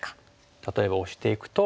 例えばオシていくと。